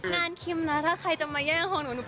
งานกำแล้วถ้าใครจะเยี่ยงของหนู